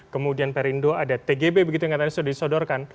kemudian perindo ada tgb begitu yang katanya sudah disodorkan